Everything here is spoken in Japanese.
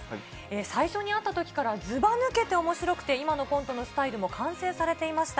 最初に会ったときからずば抜けておもしろくて、今のコントのスタイルも完成されていました。